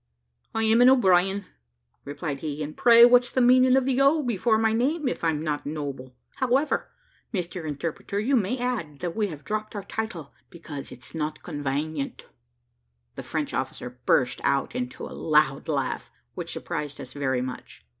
"I am an O'Brien," replied he; "and pray what's the meaning of the O before my name, if I'm not noble? However, Mr Interpreter, you may add, that we have dropped our title because it's not convanient." The French officer burst out into a loud laugh, which surprised us very much.